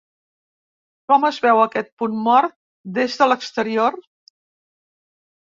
’Com es veu aquest punt mort des de l’exterior?